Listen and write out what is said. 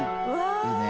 「いいね」